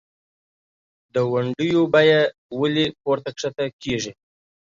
دونډیو بیه ولۍ پورته کښته کیږي؟